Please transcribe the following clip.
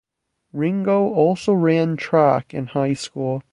Ringo also ran track in high school.